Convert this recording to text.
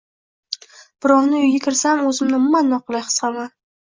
Birovni uyiga kirsam oʻzimni umuman noqulay his qilaman.